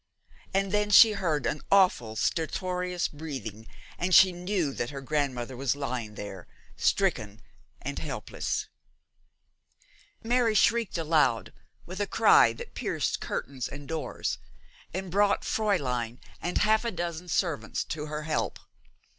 And then she heard an awful stertorous breathing, and knew that her grandmother was lying there, stricken and helpless. Mary shrieked aloud, with a cry that pierced curtains and doors, and brought Fräulein and half a dozen servants to her help.